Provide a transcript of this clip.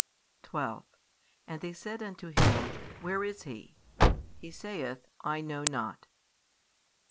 12 And they said unto him, Where is He? He saith, I know not.